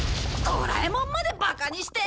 ドラえもんまでバカにして！